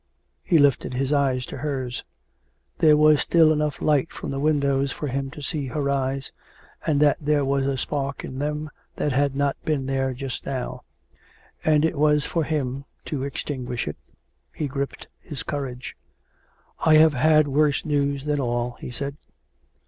He lifted his eyes to hers. There was still enough light from the windows for him to see her eyes, and that there was a spark in them that had not been there just now. And it was for him to extinguish it. ... He gripped his courage. " I have had worse news than all," he said.